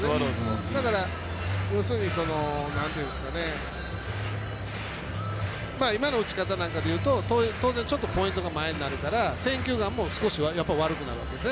だから、要するに今の打ち方なんかで言うとポイントが前になるから、選球眼も少し悪くなるわけですね。